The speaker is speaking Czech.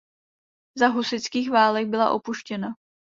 Za husitských válek byla opuštěna.